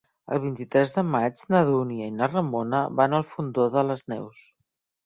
El vint-i-tres de maig na Dúnia i na Ramona van al Fondó de les Neus.